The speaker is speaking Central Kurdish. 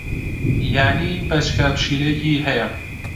یانی بەچکە پشیلەیەکی ھەیە.